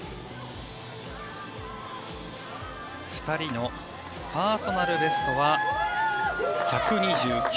２人のパーソナルベストは１２９．０１。